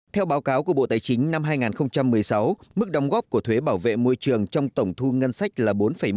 theo báo cáo của bộ tài chính năm hai nghìn một mươi sáu mức đóng góp của thuế bảo vệ môi trường trong tổng thu ngân sách là bốn một mươi